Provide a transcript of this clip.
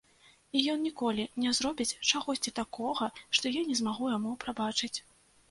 І ён ніколі не зробіць чагосьці такога, што я не змагу яму прабачыць.